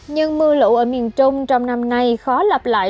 nhưng mưa lũ ở miền trung trong năm nay khó lặp lại